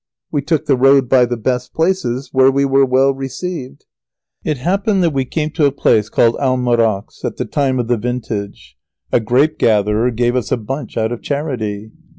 We took the road by the best places, where we were well received. It happened that we came to a place called Almorox at the time of the vintage. A grape gatherer gave us a bunch out of charity.